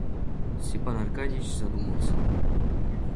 Степан Аркадьич задумался.